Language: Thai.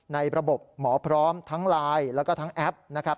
ในระบบหมอพร้อมทั้งไลน์แล้วก็ทั้งแอปนะครับ